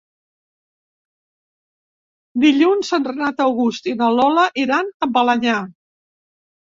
Dilluns en Renat August i na Lola iran a Balenyà.